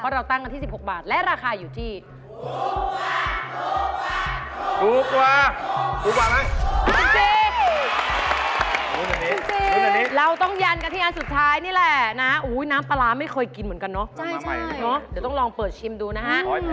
เดี๋ยวลองเปิดชิมดูนะฮะ